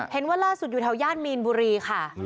เห็นว่าล่าสุดอยู่แถวย่านมีนบุรีค่ะ